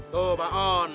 tuh mbak on